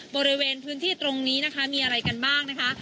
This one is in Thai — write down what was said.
บริเวณพื้นที่ตรงนี้นะคะมีอะไรกันบ้างนะคะ